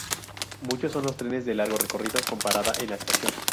Muchos son los trenes de largo recorrido con parada en la estación.